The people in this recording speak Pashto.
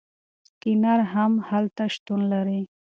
سکینر هم هلته شتون لري.